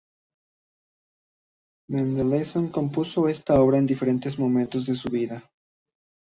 Mendelssohn compuso esta obra en diferentes momentos de su vida.